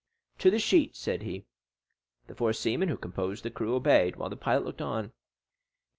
"To the sheets," said he. The four seamen, who composed the crew, obeyed, while the pilot looked on.